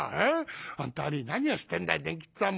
本当に何をしてんだい伝吉っつぁんも。